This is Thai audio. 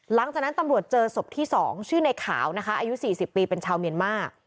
หลังจากนั้นตำรวจเจอศพที่๒ชื่อในขาวนะคะอายุ๔๐ปีเป็นชาวเมียนมา